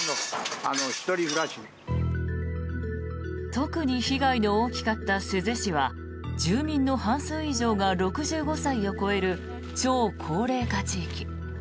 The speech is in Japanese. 特に被害の大きかった珠洲市は住民の半数以上が６５歳を超える超高齢化地域。